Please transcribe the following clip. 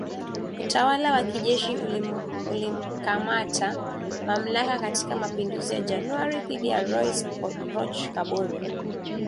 Utawala wa kijeshi ulikamata mamlaka katika mapinduzi ya Januari dhidi ya Rais Roch Kabore